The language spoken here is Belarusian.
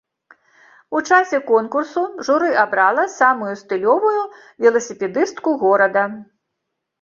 У часе конкурсу журы абрала самую стылёвую веласіпедыстку горада.